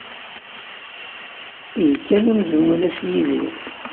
Eg kan amzun ulac Yidir.